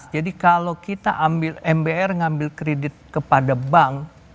jadi kalau kita ambil mbr ngambil kredit kepada bank